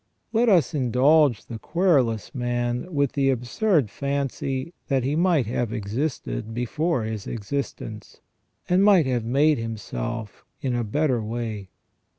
Let us indulge the querulous man with the absurd fancy that he might have existed before his existence, and might have made himself in a better way.